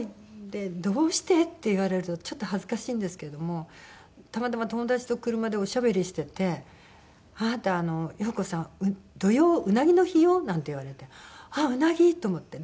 で「どうして？」って言われるとちょっと恥ずかしいんですけどもたまたま友達と車でおしゃべりしてて「あなた陽子さん土用鰻の日よ」なんて言われてあっ鰻！と思って。